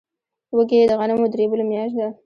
وږی د غنمو د رېبلو میاشت ده.